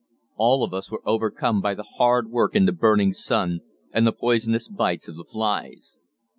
All of us were overcome by the hard work in the burning sun and the poisonous bites of the flies.